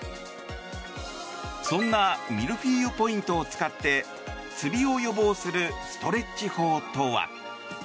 そんなミルフィーユポイントを使ってつりを予防するストレッチ法とは。